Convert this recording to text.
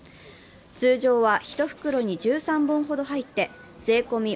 通常は１袋に１３本ほどが入って税込み